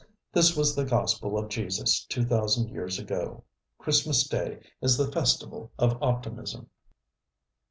ŌĆØ This was the gospel of Jesus two thousand years ago. Christmas Day is the festival of optimism.